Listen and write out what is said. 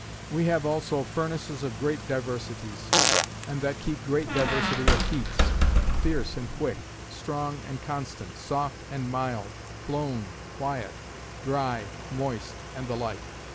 "We have also furnaces of great diversities, and that keep great diversity of heats; fierce and quick; strong and constant; soft and mild; blown, quiet; dry, moist; and the like.